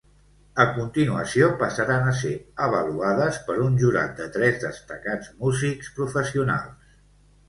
A continuació passaran a ser avaluades per un jurat de tres destacats músics professionals.